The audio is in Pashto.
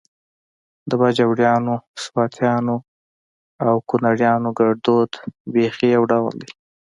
د باجوړیانو، سواتیانو او کونړیانو ګړدود بیخي يو ډول دی